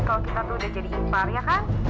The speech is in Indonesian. kalau kita tuh udah jadi impar ya kan